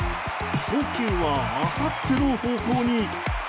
送球はあさっての方向に。